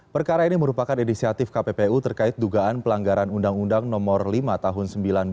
perkara ini merupakan inisiatif kppu terkait dugaan pelanggaran undang undang nomor lima tahun seribu sembilan ratus sembilan puluh